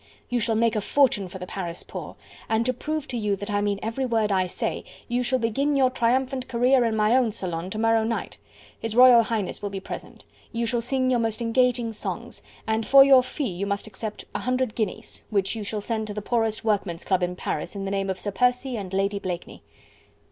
you shall make a fortune for the Paris poor... and to prove to you that I mean every word I say, you shall begin your triumphant career in my own salon to morrow night. His Royal Highness will be present. You shall sing your most engaging songs... and for your fee you must accept a hundred guineas, which you shall send to the poorest workman's club in Paris in the name of Sir Percy and Lady Blakeney."